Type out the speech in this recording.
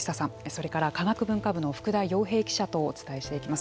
それから科学文化部の福田陽平記者とお伝えしていきます。